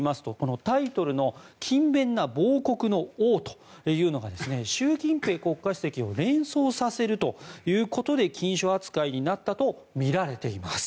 時事通信によりますとこのタイトルの「勤勉な亡国の王」というのが習近平国家主席を連想させるということで禁書扱いになったとみられています。